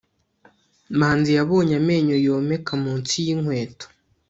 manzi yabonye amenyo yomeka munsi yinkweto